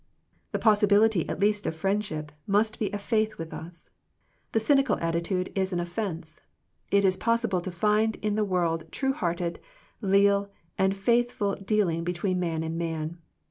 The possibility at least of friendship must be a faith with us. The cynical at titude is an offence. It is possible to find in the world true hearted, leal, and faith ful dealing between man and man.